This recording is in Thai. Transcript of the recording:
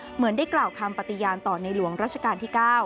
เหมือนได้กล่าวคำปฏิญาณต่อในหลวงรัชกาลที่๙